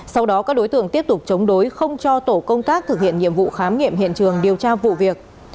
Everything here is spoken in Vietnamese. sau đó các đối tượng tiếp tục chống đối không cho tổ công tác thực hiện nhiệm vụ khám nghiệm hiện trường điều tra vụ việc